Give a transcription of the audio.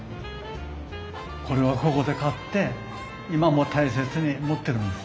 これはここで買って今も大切に持ってるんです。